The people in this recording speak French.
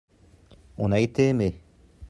on a été aimé.